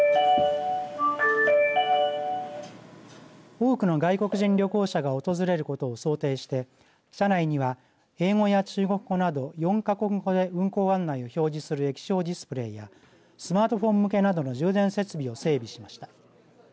多くの外国人旅行者が訪れることを想定して車内には英語や中国語など４か国語で運行案内を表示する液晶ディスプレーやスマートフォン向けなどの充電設備を整備しました。